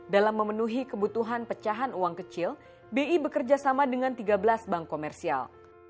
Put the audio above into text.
dalam memenuhi kebutuhan pecahan uang kecil bi bekerja sama dengan tiga belas bank komersial